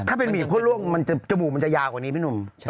ถ้าเป็นหมี่คั่วล่วงจมูกมันจะยาวกว่านี้พี่หนุ่ม